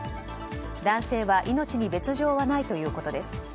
男性は命に別条はないということです。